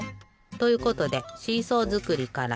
ということでシーソーづくりから。